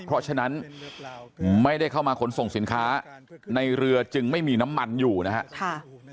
เพราะฉะนั้นไม่ได้เข้ามาขนส่งสินค้าในเรือจึงไม่มีน้ำมันอยู่นะครับ